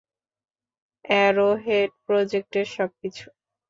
Arrowhead প্রজেক্টের সব কিছু!